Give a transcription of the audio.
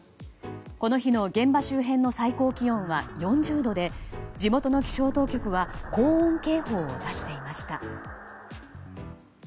この日の現場周辺の最高気温は４０度で地元の気象当局は高温警報を出していました。